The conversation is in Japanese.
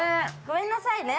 ごめんなさいね。